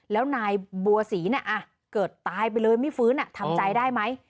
แล้วนายบัวศรีเกิดตายไปเลยไม่ฟื้นทำใจได้ไหม